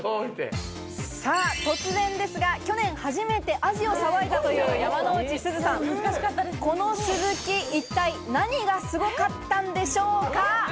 さあ突然ですが、去年初めてアジをさばいたという山之内すずさん、このスズキ、一体何がすごかったんでしょうか？